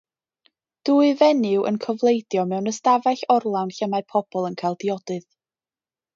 Dwy fenyw yn cofleidio mewn ystafell orlawn lle mae pobl yn cael diodydd.